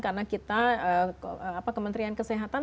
karena kita kementerian kesehatan